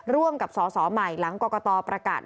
ร่วมกับสสใหม่หลังกรกตประกาศ